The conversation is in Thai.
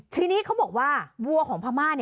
ทีนี้เขาบอกว่าวัวของพม่า